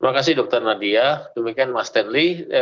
terima kasih dokter nadia demikian mas stanley